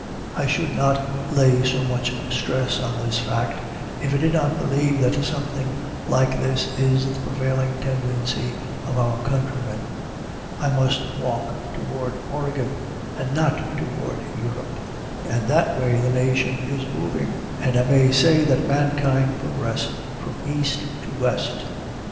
I should not lay so much stress on this fact, if I did not believe that something like this is the prevailing tendency of my countrymen. I must walk toward Oregon, and not toward Europe. And that way the nation is moving, and I may say that mankind progress from east to west.